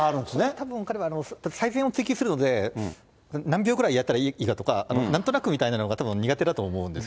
たぶん、彼は最善を気にするので、何秒くらいやったいいかとか、なんとなくみたいなのが苦手だと思うんですよ。